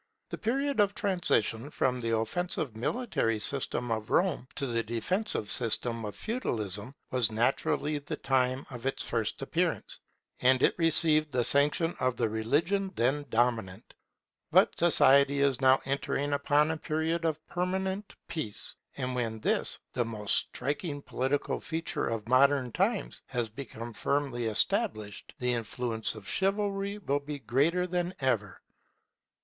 The period of transition from the offensive military system of Rome to the defensive system of Feudalism, was naturally the time of its first appearance, and it received the sanction of the religion then dominant. But society is now entering upon a period of permanent peace; and when this, the most striking political feature of modern times, has become firmly established, the influence of Chivalry will be greater than ever.